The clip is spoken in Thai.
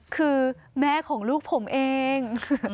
คือแม่ของลูกผมเอง